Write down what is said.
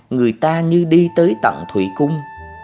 người ta như đi tới tận thủy cung